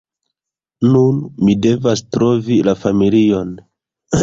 Nun, mi devas trovi la familion